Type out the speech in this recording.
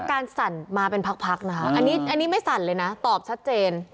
การสั่นมาเป็นพักนะคะอันนี้ไม่สั่นเลยนะตอบชัดเจน